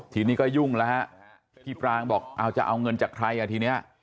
ทีนี้ก็ยุ่งแล้วฮะพี่ปรางบอกเอาจะเอาเงินจากใครอ่ะทีนี้